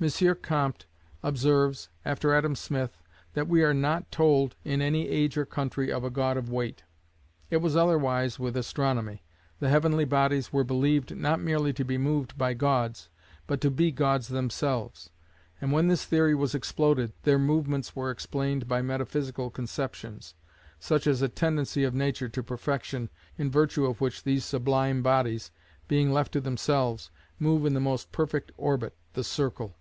M. Comte observes, after Adam Smith, that we are not told in any age or country of a god of Weight. It was otherwise with Astronomy: the heavenly bodies were believed not merely to be moved by gods, but to be gods themselves: and when this theory was exploded, there movements were explained by metaphysical conceptions; such as a tendency of Nature to perfection, in virtue of which these sublime bodies, being left to themselves, move in the most perfect orbit, the circle.